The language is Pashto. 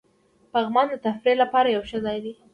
پغمان د تفریح لپاره یو ښه ځای دی.